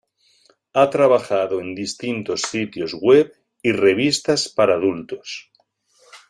Ha trabajado en distintos sitios web y revistas para adultos.